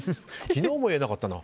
昨日も言えなかったな。